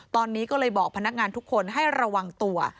ตอนนี้ก็เลยบอกพนักงานทุกคนให้ระวังตัว